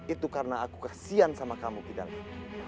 itu karena aku kasihan sama kamu kidalang